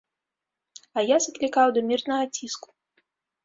А я заклікаў да мірнага ціску.